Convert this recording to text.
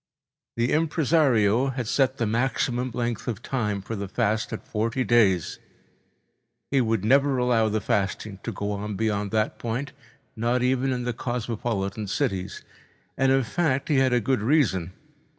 The impresario had set the maximum length of time for the fast at forty days—he would never allow the fasting go on beyond that point, not even in the cosmopolitan cities. And, in fact, he had a good reason.